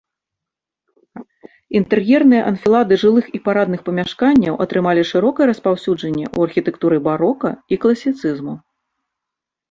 Інтэр'ерныя анфілады жылых і парадных памяшканняў атрымалі шырокае распаўсюджанне ў архітэктуры барока і класіцызму.